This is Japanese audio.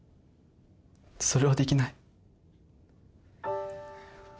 それはできない。